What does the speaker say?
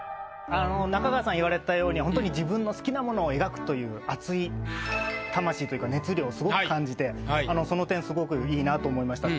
中川さん言われたようにほんとに自分の好きな物を描くという熱い魂というか熱量をすごく感じてその点すごくいいなと思いました。